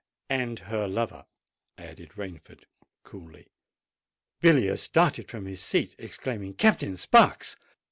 "And her lover," added Rainford coolly. Villiers started from his seat, exclaiming, "Captain Sparks!